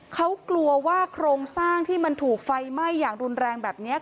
เขากลัวว่าโครงสร้างที่มันถูกไฟไหม้อย่างรุนแรงแบบนี้